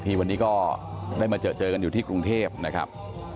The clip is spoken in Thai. วันนี้ก็ได้มาเจอกันอยู่ที่กรุงเทพนะครับ